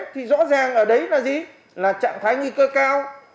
thì rõ ràng ở đấy là gì là trạng thái nguy cơ cao